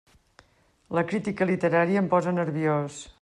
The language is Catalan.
La crítica literària em posa nerviós!